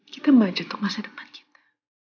kita maju untuk masa depan kita